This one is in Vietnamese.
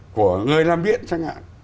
của người làm điện chẳng hạn